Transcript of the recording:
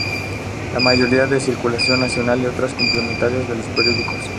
La mayoría de circulación nacional y otras complementarias de los periódicos.